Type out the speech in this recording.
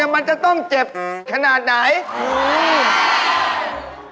มันจะต้องเจ็บขนาดไหนอืม